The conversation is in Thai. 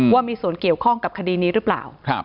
ว่ามีส่วนเกี่ยวข้องกับคดีนี้หรือเปล่า